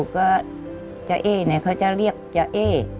ก็จ้าเอ๊เนี่ยเขาจะเรียกจ้าเอ